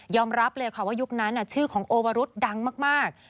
รับเลยค่ะว่ายุคนั้นชื่อของโอวรุษดังมาก